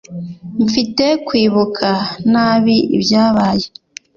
Mfite kwibuka nabi ibyabaye.